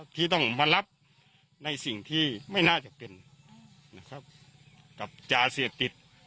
ที่ต้องมารับในสิ่งที่ไม่น่าจะเป็นนะครับกับยาเสพติด